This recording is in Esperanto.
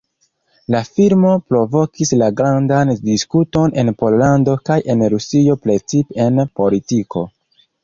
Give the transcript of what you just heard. La filmo provokis la grandan diskuton en Pollando kaj en Rusio precipe en politiko.